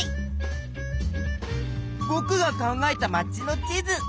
ぼくが考えた街の地図。